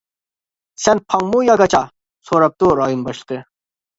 -سەن پاڭمۇ يا گاچا؟ -سوراپتۇ رايون باشلىقى.